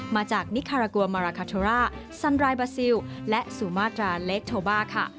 มาจากนิคารากัวมาราคาโทราซันรายบาซิลและสุมาตราเล็กโทบ้าค่ะ